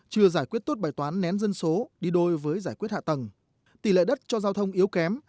chưa giải quyết tốt bài toán nén dân số đi đôi với giải quyết hạ tầng tỷ lệ đất cho giao thông yếu kém